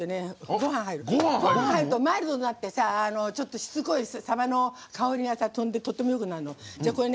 ごはんが入るとマイルドになってしつこいサバのかおりが飛んで、とってもよくなるの。